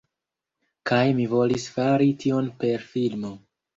Kaj mi volis fari tion per filmo.